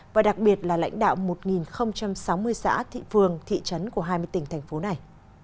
và đặc biệt là lãnh đạo một sáu mươi xã thị phường thị trấn của hai mươi tỉnh thành phố này